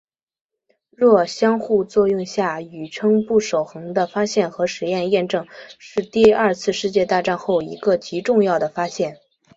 弱相互作用下宇称不守恒的发现和实验验证是第二次世界大战后一个极重要的发现。